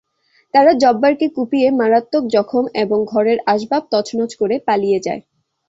তারা জব্বারকে কুপিয়ে মারাত্মক জখম এবং ঘরের আসবাব তছনছ করে পালিয়ে যায়।